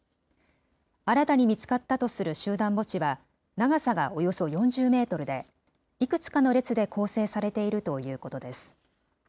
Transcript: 新たに見つかったとする集団墓地は、長さがおよそ４０メートルで、いくつかの列で構成されているということです。